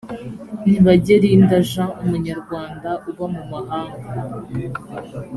ntibagerinda jean umunyarwanda uba mumahanga